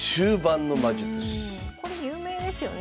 これ有名ですよね。